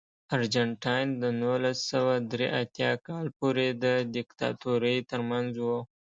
ارجنټاین د نولس سوه درې اتیا کال پورې د دیکتاتورۍ ترمنځ و.